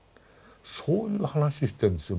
そういう話してるんですよ。